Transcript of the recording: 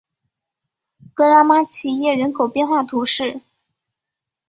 格拉马齐耶人口变化图示